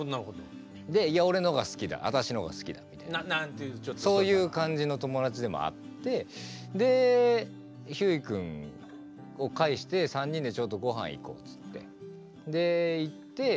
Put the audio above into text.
でいや俺のが好きだあたしのが好きだみたいなそういう感じの友達でもあってでひゅーい君を介して３人でちょっとご飯行こうつってで行って